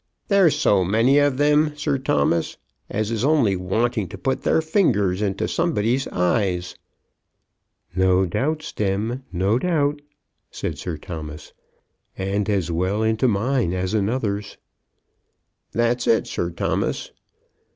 "There's so many of them, Sir Thomas, as is only wanting to put their fingers into somebody's eyes." "No doubt, Stemm, no doubt," said Sir Thomas; "and as well into mine as another's." "That's it, Sir Thomas."